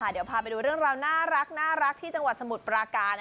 เดี๋ยวพาไปดูเรื่องราวน่ารักที่จังหวัดสมุทรปราการ